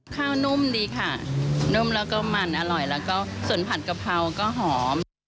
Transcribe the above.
นุ่มดีค่ะนุ่มแล้วก็มันอร่อยแล้วก็ส่วนผัดกะเพราก็หอม